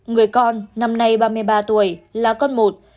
người con năm nay ba mươi ba tuổi là con một